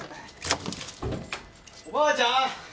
おばあちゃん？